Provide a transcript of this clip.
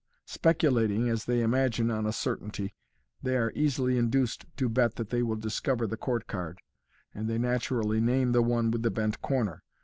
Speculating, as they imagine, on a certainty, they an easily induced to bet that they will discover the court card, and they naturally name the one with the bent corner.